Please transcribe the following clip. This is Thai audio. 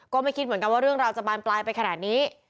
ก็ไม่คิดเหมือนกันว่าเรื่องราวจะบานปลายไปขนาดนี้